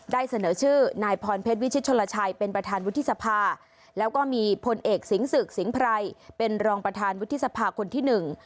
เสนอชื่อนายพรเพชรวิชิตชนลชัยเป็นประธานวุฒิสภาแล้วก็มีพลเอกสิงศึกสิงห์ไพรเป็นรองประธานวุฒิสภาคนที่หนึ่ง